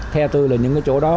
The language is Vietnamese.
theo tôi là những cái chỗ đó